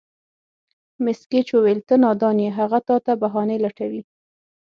مېس ګېج وویل: ته نادان یې، هغه تا ته بهانې لټوي.